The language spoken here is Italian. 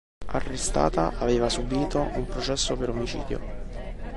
Arrestata, aveva subìto un processo per omicidio.